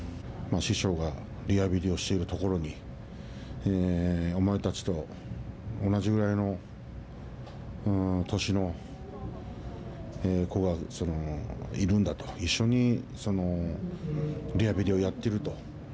師匠がリハビリをしているところにお前たちと同じぐらいの年の子がいるんだと一緒にリハビリをやっていると。